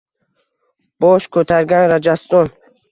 Bosh ko’targan Rajaston.